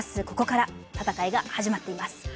ここから戦いが始まっています。